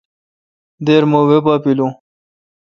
دیر مہ وی پا پیلو۔